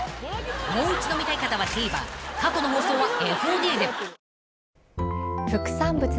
［もう一度見たい方はＴＶｅｒ過去の放送はＦＯＤで］